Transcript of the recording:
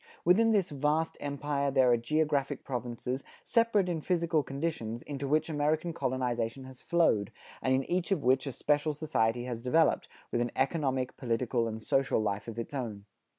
Within this vast empire there are geographic provinces, separate in physical conditions, into which American colonization has flowed, and in each of which a special society has developed, with an economic, political and social life of its own.